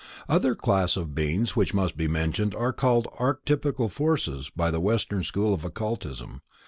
The other class of beings which must be mentioned are called Archetypal Forces by the Western School of occultism.